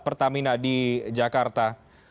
pertamina di jakarta